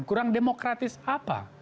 kurang demokratis apa